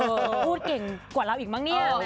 เออพูดเก่งกว่าเราอีกมั้งเนี่ยเออแม่น่ะ